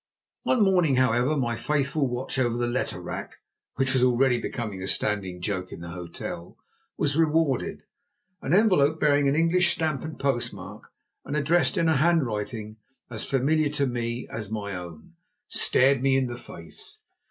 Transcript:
One morning, however, my faithful watch over the letter rack, which was already becoming a standing joke in the hotel, was rewarded. An envelope bearing an English stamp and postmark, and addressed in a handwriting as familiar to me as my own, stared me in the face.